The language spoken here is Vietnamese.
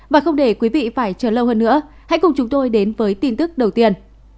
và không để quý vị phải chờ lâu hơn nữa hãy cùng chúng tôi đến với tin tức đầu tiên